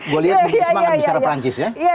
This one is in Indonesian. gue lihat begitu semangat bicara perancis ya